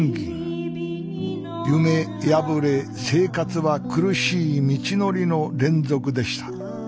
夢破れ生活は苦しい道のりの連続でした。